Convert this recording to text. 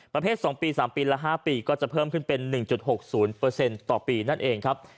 ประเภทสองปีสามปีหรือห้าปีก็จะเพิ่มขึ้นเป็น๑๖๐ต่อปีนั่นเองครับ